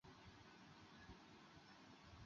秦国趁机大举的进攻魏国的西河郡。